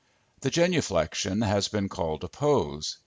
The genuflexion has been called a pose.